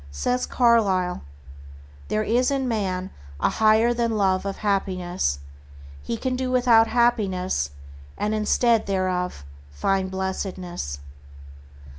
Says Carlyle "There is in man a higher than love of happiness. He can do without happiness, and instead thereof find blessedness.